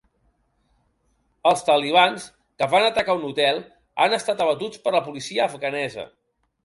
Els talibans que van atacar un hotel han estat abatuts per la policia afganesa